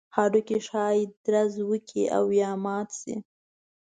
هډوکي ښایي درز وکړي او یا مات شي.